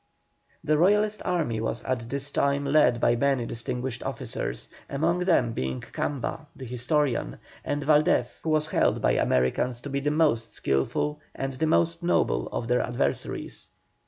The Royalist army was at this time led by many distinguished officers, among them being Camba, the historian, and Valdés, who was held by Americans to be the most skilful and the most noble of all their adversaries.